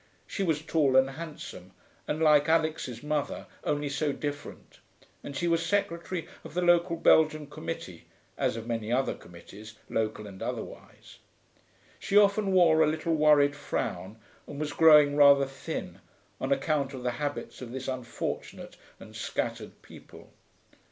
She was tall and handsome, and like Alix's mother, only so different, and she was secretary of the local Belgian Committee (as of many other committees, local and otherwise). She often wore a little worried frown, and was growing rather thin, on account of the habits of this unfortunate and scattered people.